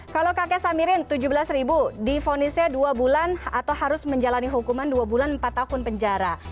kalau kakek samirin tujuh belas ribu difonisnya dua bulan atau harus menjalani hukuman dua bulan empat tahun penjara